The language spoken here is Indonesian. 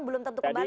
belum tentu kembali